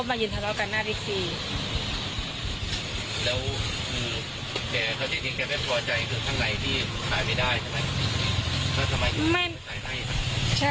แล้วที่มันก็ไม่ใช่ที่มันก็ไม่ใช่